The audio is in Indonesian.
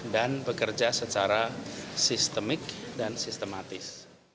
dan bekerja secara sistemik dan sistematis